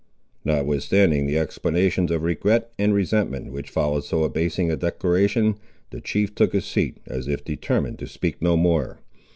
Notwithstanding the exclamations of regret and resentment, which followed so abasing a declaration, the chief took his seat, as if determined to speak no more.